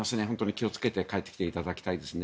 気をつけて帰ってきていただきたいですね。